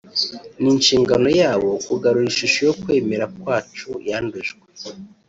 ni n’inshingano yabo kugarura ishusho yo kwemera kwacu yandujwe